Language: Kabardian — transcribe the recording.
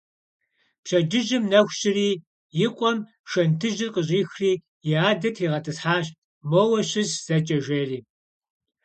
Пщэджыжьым нэху щыри и къуэм шэнтыжьыр къыщӀихри и адэр тригъэтӀысхьащ, моуэ щыс зэкӀэ жери.